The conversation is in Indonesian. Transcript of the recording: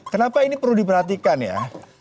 kenapa ini perlu diperhatikan ya